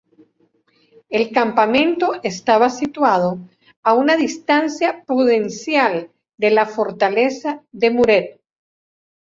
El campamento estaba situado a una distancia prudencial de la fortaleza de Muret.